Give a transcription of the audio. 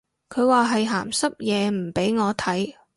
佢話係鹹濕嘢唔俾我睇